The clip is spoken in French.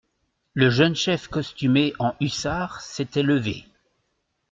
Le jeune chef costumé en hussard s'était levé.